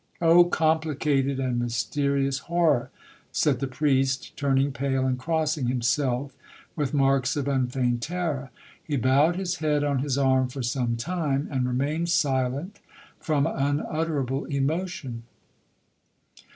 '—'Oh complicated and mysterious horror!' said the priest, turning pale, and crossing himself with marks of unfeigned terror; he bowed his head on his arm for some time, and remained silent from unutterable emotion.